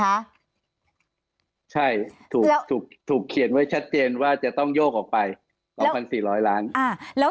คะใช่ถูกเขียนไว้ชัดเจนว่าจะต้องโยกออกไป๒๔๐๐ล้านแล้ว